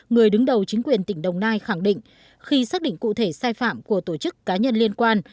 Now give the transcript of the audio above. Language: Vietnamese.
người đứng đầu chính quyền tp biên hòa khẳng định khi xác định cụ thể sai phạm của tổ chức cá nhân liên quan